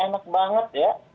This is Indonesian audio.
enak banget ya